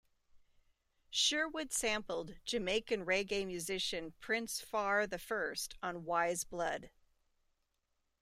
Sherwood sampled Jamaican reggae musician Prince Far the First on "Wise Blood".